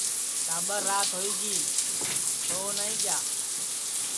ٹاٻر رات ہوئی گی سؤ نائی کیا